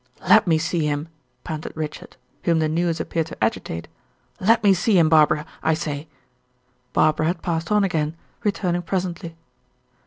"Let me see him," panted Richard, whom the news appeared to agitate; "let me see him, Barbara, I say " Barbara had passed on again, returning presently.